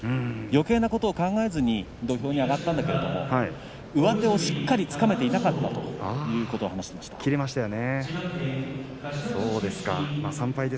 よけいなことを考えずに土俵に上がったんだけれど上手をしっかりつかめていなかったということを話していました。